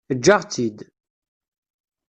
Eǧǧ-aɣ-tt-id.